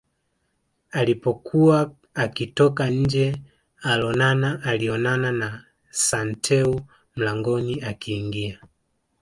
Alipokuwa akitoka nje Olonana alionana na Santeu mlangoni akiingia